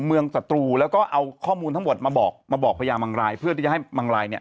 เมืองสตรูแล้วก็เอาข้อมูลทั้งหมดมาบอกมาบอกพระยามังรายเพื่อที่ให้มังราย